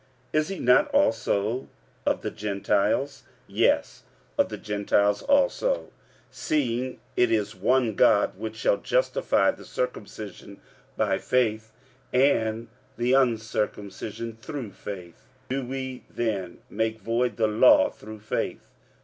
is he not also of the Gentiles? Yes, of the Gentiles also: 45:003:030 Seeing it is one God, which shall justify the circumcision by faith, and uncircumcision through faith. 45:003:031 Do we then make void the law through faith?